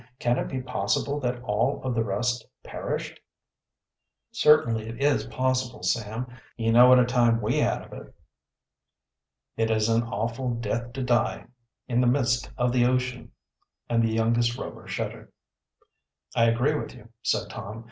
"Can it be possible that all of the rest perished?" "Certainly it is possible, Sam. You know what a time we had of it." "It is an awful death to die in the midst of the ocean," and the youngest Rover shuddered. "I agree with you," said Tom.